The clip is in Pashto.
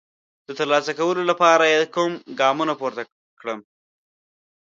د ترلاسه کولو لپاره یې کوم ګامونه پورته کړم؟